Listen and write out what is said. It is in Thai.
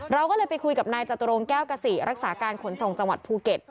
เราก็เลยไปคุยกับนายจตุรงแก้วกษิรักษาการขนส่งจังหวัดภูเก็ต